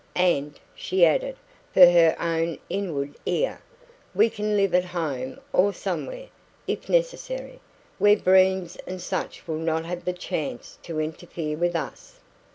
And," she added, for her own inward ear, "we can live at home or somewhere, if necessary, where Breens and such will not have the chance to interfere with us."